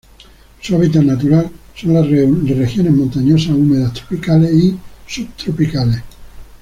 Su hábitat natural son las regiones montañosas húmedas tropicales y subtropicales.